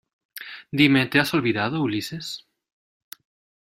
dime, ¿ te has olvidado , Ulises?